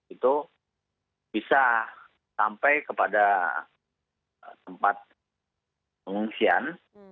itu bisa sampai kepada tempat pengungsian